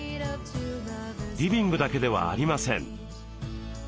リビングだけではありません。